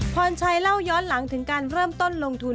พรชัยเล่าย้อนหลังถึงการเริ่มต้นลงทุน